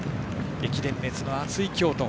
駅伝熱の熱い京都。